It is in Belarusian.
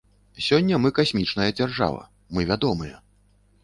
Сёння мы касмічная дзяржава, мы вядомыя.